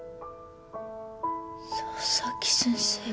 佐々木先生が。